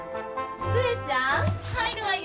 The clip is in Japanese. ・寿恵ちゃん入るわよ。